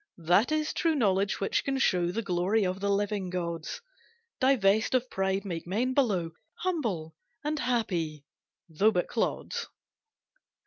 That is true knowledge which can show The glory of the living gods, Divest of pride, make men below Humble and happy, though but clods.